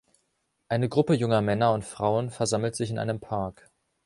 Eine Gruppe junger Männer und Frauen versammelt sich in einem Park.